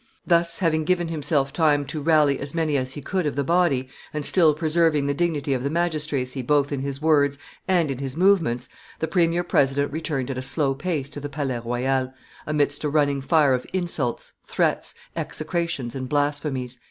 "Thus having given himself time to rally as many as he could of the body, and still preserving the dignity of the magistracy both in his words and in his movements, the premier president returned at a slow pace to the Palais Royal, amidst a running fire of insults, threats, execrations, and blasphemies."